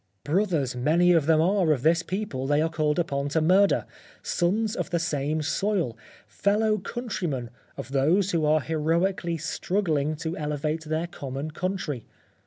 Brothers many of them are of this people they are called upon to murder — sons of the same soil — fellow countrymen of those who are heroic ally, struggling to elevate their common country.